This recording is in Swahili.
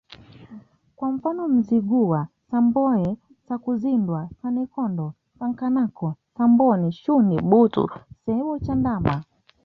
kwa mfano Mzigua Samamboe Sakuzindwa Sannenkondo Sankanakono Samboni Shundi Butu Sebbo Chamdoma